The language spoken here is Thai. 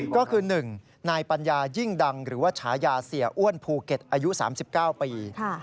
ก็คือ๑นายปัญญายิ่งดังหรือว่าฉายาเสียอ้วนภูเก็ตอายุ๓๙ปี